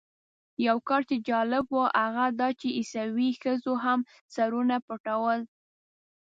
یو کار چې جالب و هغه دا چې عیسوي ښځو هم سرونه پټول.